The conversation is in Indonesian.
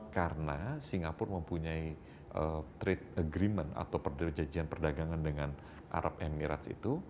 karena singapura mempunyai trade agreement atau perjanjian perdagangan dengan arab emirates itu